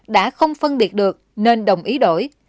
đã không phân biệt được nên đồng ý đổi